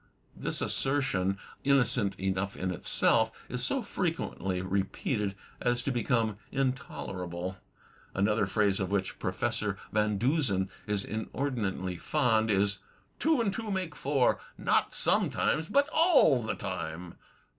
This assertion, innocent enough in itself, is so frequently repeated as to become intolerable. Another phrase of which Professor Van Dusen is inordinately fond, is, "Two and two make four, not sometimes, but all the time."